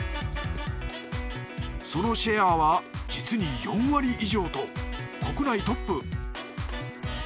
そのシェアは実に４割以上と国内トップ。